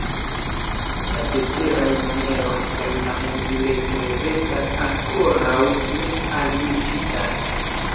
La ceteraj moneroj kaj la monbiletoj restas ankoraŭ nealjuĝitaj.